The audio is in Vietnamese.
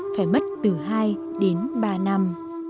phải mất từ hai đến ba năm